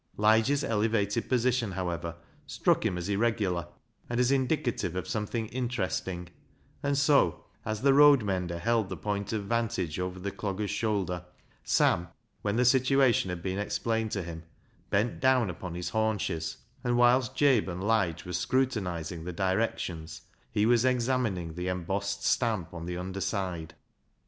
Lige's elevated position, however, struck him as irregular, and as indicative of something interesting, and so, as the road mender held the point of vantage over the dogger's shoulder, Sam, when the situation had been explained to him, bent down upon his haunches, and whilst Jabe and Lige were scrutinising the directions he was examin ing the embossed stamp on the under side.